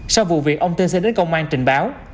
sau vụ việc ông t c đến công an trình báo